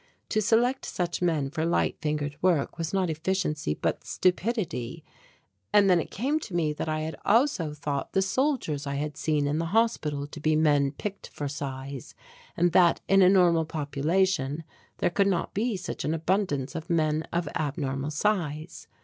To select such men for light fingered work was not efficiency but stupidity, and then it came to me that I had also thought the soldiers I had seen in the hospital to be men picked for size, and that in a normal population there could not be such an abundance of men of abnormal size.